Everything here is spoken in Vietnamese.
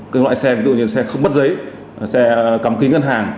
các loại xe ví dụ như xe không bắt giấy xe cắm kính ngân hàng